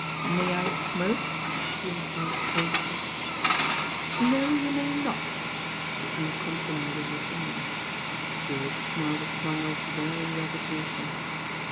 May I smoke ?" he enquired plaintively. "No, you may not," was the uncompromising reply. Drewitt smiled a smile of weary resignation.